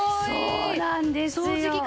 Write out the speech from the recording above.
そうなんですよ。